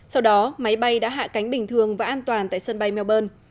sau đó máy bay đã hạ cánh bình thường và an toàn tại sân bay melbourne